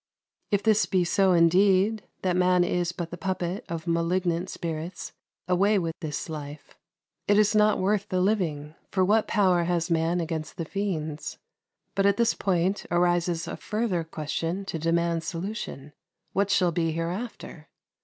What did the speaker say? If this be so indeed, that man is but the puppet of malignant spirits, away with this life. It is not worth the living; for what power has man against the fiends? But at this point arises a further question to demand solution: what shall be hereafter?